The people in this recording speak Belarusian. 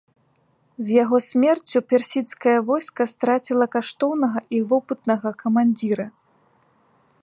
З яго смерцю персідскае войска страціла каштоўнага і вопытнага камандзіра.